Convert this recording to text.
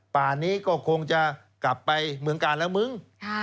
ป่านี้ก็คงจะกลับไปเมืองกาลแล้วมึง